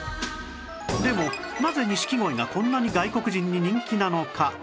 でもなぜ錦鯉がこんなに外国人に人気なのか？